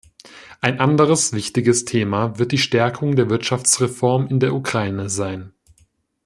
Ein anderes wichtiges Thema wird die Stärkung der Wirtschaftsreform in der Ukraine sein.